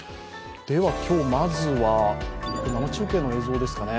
今日、まずは生中継の映像ですかね。